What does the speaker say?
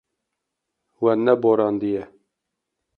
We neborandiye.